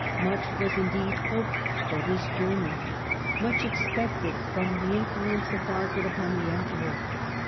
Much was, indeed, hoped for this journey, much expected from the influence of Margaret upon the Emperor.